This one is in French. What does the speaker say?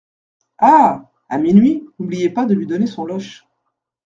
Ah ! à minuit, n’oubliez pas de lui donner son loch.